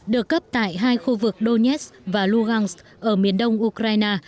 được cấp tại hai khu vực donetsk và lugansk ở miền đông ukraine